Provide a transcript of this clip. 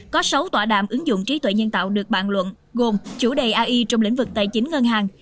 có sáu tỏa đàm ứng dụng trí tuệ nhân tạo được bàn luận gồm chủ đề ai trong lĩnh vực tài chính ngân hàng